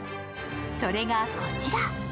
それがこちら。